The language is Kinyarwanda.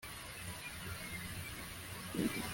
ngo kuko ryazanye demokarasi mu rwanda